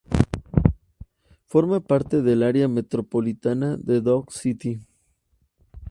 Forma parte del área micropolitana de Dodge City.